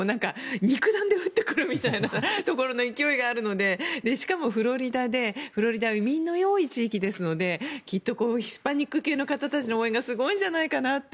肉弾で打ってくるようなところの勢いがあるのでしかもフロリダで、フロリダは移民の多い地域ですのできっとヒスパニック系の方たちの応援がすごいんじゃないかと。